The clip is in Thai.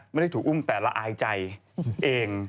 ไม่ได้ถูกอุ้มแต่ละอายใจเอง